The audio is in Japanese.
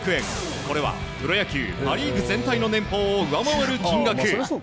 これはプロ野球パ・リーグ全体の年俸を上回る金額。